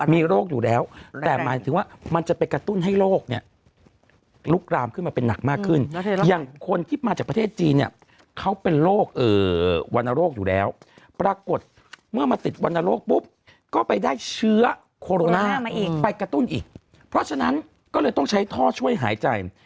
มีโรคอยู่แล้วแต่หมายถึงว่ามันจะไปกระตุ้นให้โรคเนี่ยลุกลามขึ้นมาเป็นหนักมากขึ้นอย่างคนที่มาจากประเทศจีนเนี่ยเขาเป็นโรควรรณโรคอยู่แล้วปรากฏเมื่อมาติดวรรณโรคปุ๊บก็ไปได้เชื้อโคโรนาไปกระตุ้นอีกเพราะฉะนั้นก็เลยต้องใช้ท่อช่วยหายใจ